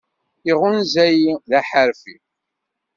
Iɣunza-yi, d aḥeṛfi.